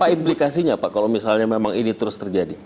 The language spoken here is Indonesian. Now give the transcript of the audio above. apa implikasinya pak kalau ini terus terjadi